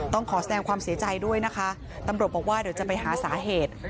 ต้องขอแสดงความเสียใจด้วยนะคะตำรวจบอกว่าเดี๋ยวจะไปหาสาเหตุ